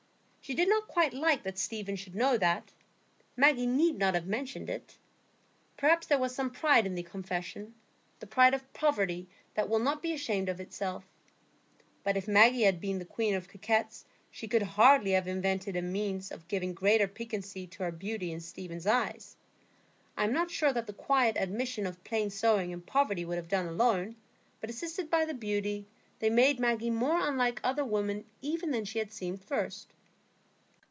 She did not quite like that Stephen should know that; Maggie need not have mentioned it. Perhaps there was some pride in the confession,—the pride of poverty that will not be ashamed of itself. But if Maggie had been the queen of coquettes she could hardly have invented a means of giving greater piquancy to her beauty in Stephen's eyes; I am not sure that the quiet admission of plain sewing and poverty would have done alone, but assisted by the beauty, they made Maggie more unlike other women even than she had seemed at first.